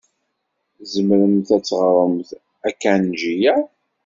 Tzemremt ad teɣremt akanji-a?